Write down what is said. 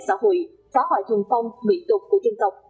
đối với các xã hội phá hoại thuần phong nguy tục của dân tộc